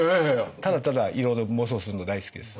ただただいろいろ妄想するの大好きですよ。